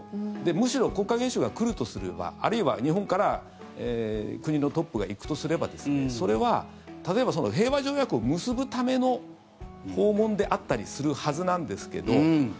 むしろ国家元首が来るとすればあるいは日本から国のトップが行くとすればそれは例えば平和条約を結ぶための訪問であったりするはずなんですけど。